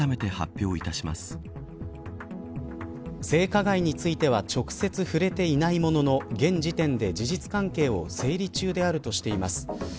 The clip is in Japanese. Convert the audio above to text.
性加害については直接、触れていないものの現時点で事実関係を整理中であるとしています。